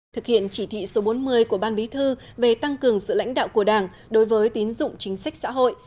thực hiện chỉ thị số bốn mươi của ban bí thư về tăng cường sự lãnh đạo của đảng đối với tín dụng chính sách xã hội